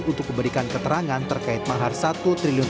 untuk memberikan keterangan terkait mahar satu triliun rupiah kepada pan dan pks